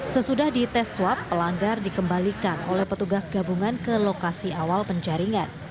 sesudah dites swab pelanggar dikembalikan oleh petugas gabungan ke lokasi awal penjaringan